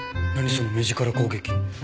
その目力攻撃。